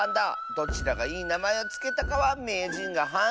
どちらがいいなまえをつけたかはめいじんがはんていするぞ！